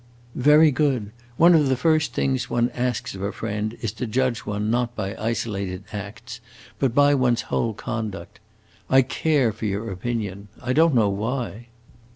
"Very good. One of the first things one asks of a friend is to judge one not by isolated acts, but by one's whole conduct. I care for your opinion I don't know why."